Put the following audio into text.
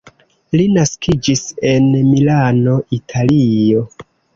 Li naskiĝis en Milano, Italio.